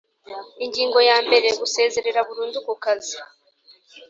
Ingingo ya mbere Gusezera burundu ku kazi